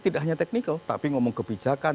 tidak hanya technical tapi ngomong kebijakan